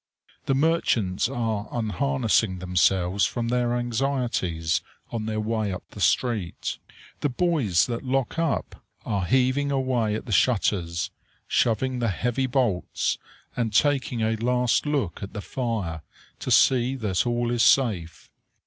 The merchants are unharnessing themselves from their anxieties, on their way up the street. The boys that lock up are heaving away at the shutters, shoving the heavy bolts, and taking a last look at the fire to see that all is safe.